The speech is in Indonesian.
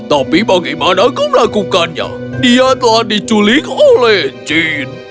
tapi bagaimana kau melakukannya dia telah diculik oleh jin